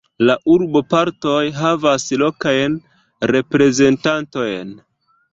La urbopartoj havas lokajn reprezentantojn.